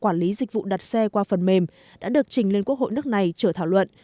quản lý dịch vụ đặt xe qua phần mềm đã được trình lên quốc hội nước này trở thảo luận